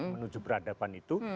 menuju peradaban itu